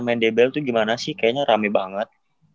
main dbl tuh gimana sih kayaknya rame banget